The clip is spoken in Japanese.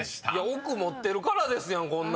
億持ってるからですやん